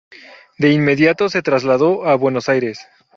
De inmediato se trasladó a Buenos Aires.